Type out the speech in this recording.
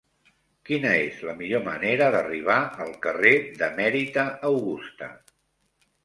Quina és la millor manera d'arribar al carrer d'Emèrita Augusta?